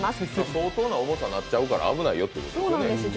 相当な重さになっちゃうから危ないよってことですよね。